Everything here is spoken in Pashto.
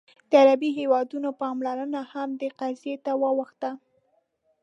د عربي هېوادونو پاملرنه هم دې قضیې ته واوښته.